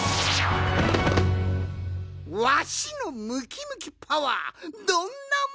わしのムキムキパワーどんなもんじゃい！